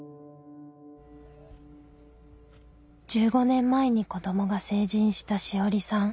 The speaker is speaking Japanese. １５年前に子どもが成人した志織さん。